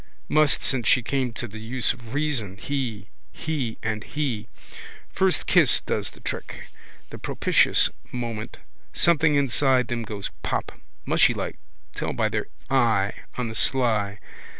Must since she came to the use of reason, he, he and he. First kiss does the trick. The propitious moment. Something inside them goes pop. Mushy like, tell by their eye, on the sly.